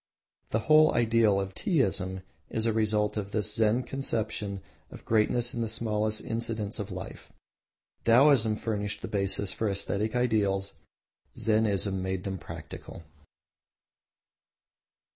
The whole ideal of Teaism is a result of this Zen conception of greatness in the smallest incidents of life. Taoism furnished the basis for aesthetic ideals, Zennism made them practical.